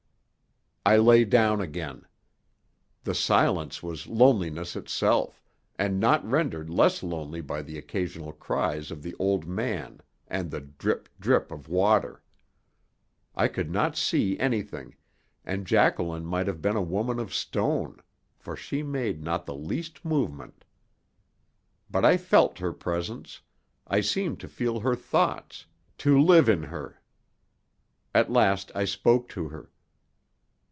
I lay down again. The silence was loneliness itself, and not rendered less lonely by the occasional cries of the old man and the drip, drip of water. I could not see anything, and Jacqueline might have been a woman of stone, for she made not the least movement. But I felt her presence; I seemed to feel her thoughts, to live in her. At last I spoke to her.